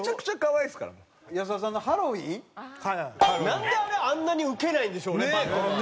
なんであれあんなにウケないんでしょうねバットマン。